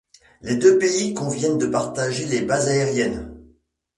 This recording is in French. Les deux pays conviennent de partager les bases aériennes.